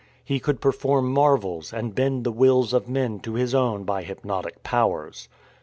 He could perform marvels and bend the wills of men to his own by hypnotic powers.